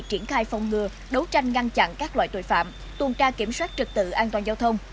triển khai phòng ngừa đấu tranh ngăn chặn các loại tội phạm tuần tra kiểm soát trực tự an toàn giao thông